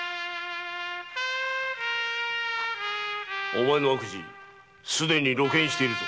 お前の悪事すでに露見しているぞ。